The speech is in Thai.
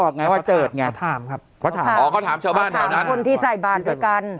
อ๋อเขาถามชาวบ้านแถวนั้น